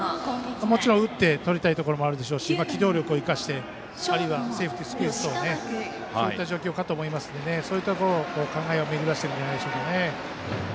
もちろん打って取りたいところもあるでしょうし機動力を生かしてあるいはセーフティースクイズ作る状況かと思いますのでそういったところの考えを巡らせているのではないでしょうか。